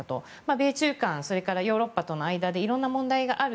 米中間、それからヨーロッパとの間で色んな問題がある。